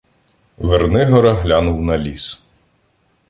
"Вернигора" глянув на ліс.